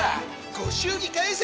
ご祝儀返せ！